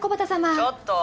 ちょっと。